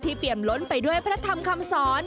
เปรียมล้นไปด้วยพระธรรมคำสอน